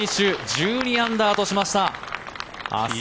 １２アンダーとしました。